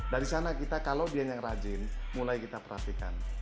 dari sana kita kalau dia yang rajin mulai kita perhatikan